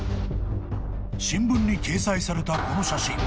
［新聞に掲載されたこの写真］